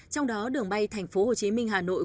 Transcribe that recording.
trong đó đường bay thành phố hồ chí minh hà nội